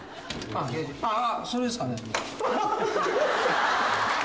あぁそれですかね。